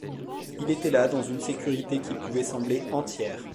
Il était là dans une sécurité qui pouvait sembler entière.